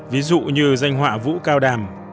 và vũ cao đàm